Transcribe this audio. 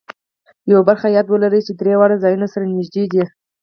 یوه خبره یاد ولرئ چې درې واړه ځایونه سره نږدې دي.